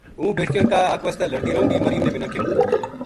” ہوں بیٹکیاں کا حق واسطے لڑتی رہوں “ مریم نے مَنا کہیو